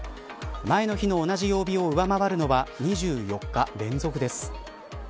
前の日の同じ曜日を上回るのは２４日連続です。